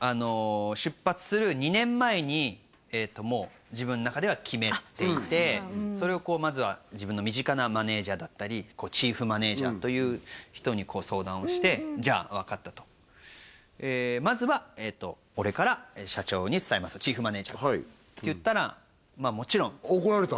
出発する２年前にもう自分の中では決めていてそれをまずは自分の身近なマネージャーだったりチーフマネージャーという人に相談をしてじゃあ分かったとまずは俺から社長に伝えますとチーフマネージャーがっていったらまあもちろん怒られた？